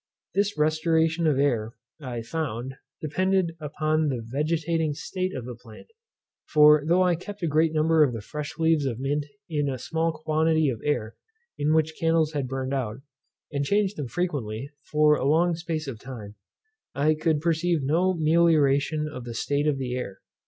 This restoration of air, I found, depended upon the vegetating state of the plant; for though I kept a great number of the fresh leaves of mint in a small quantity of air in which candles had burned out, and changed them frequently, for a long space of time, I could perceive no melioration in the state of the air.